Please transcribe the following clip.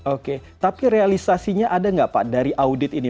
oke tapi realisasinya ada nggak pak dari audit ini